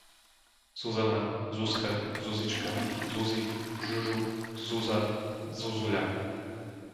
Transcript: Zuzana, Zuzka, Zuzička, Zuzi, Žužu, Zuza, Zuzuľa